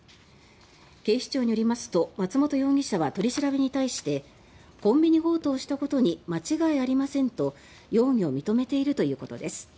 警視庁によりますと松本容疑者は取り調べに対してコンビニ強盗をしたことに間違いありませんと容疑を認めているということです。